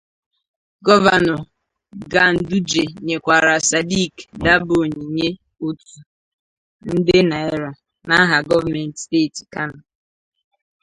Gọvanọ Ganduje nyekwara Sadiq Daba onyinye otụ nde naira n'aha Gọọmentị Steeti Kano.